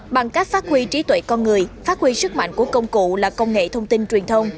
bằng cách phát huy trí tuệ con người phát huy sức mạnh của công cụ là công nghệ thông tin truyền thông